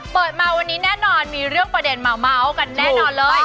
เปิดมาวันนี้แน่นอนมีเรื่องประเด็นเมาส์กันแน่นอนเลย